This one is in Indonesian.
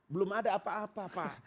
belum ada apa apa pak